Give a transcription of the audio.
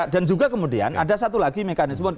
dan juga kemudian ada satu lagi mekanisme